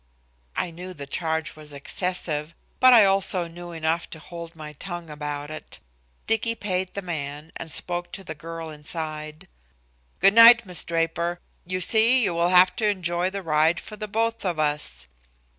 I knew the charge was excessive, but I also knew enough to hold my tongue about it. Dicky paid the man and spoke to the girl inside. "Good night, Miss Draper. You see you will have to enjoy the ride for both of us."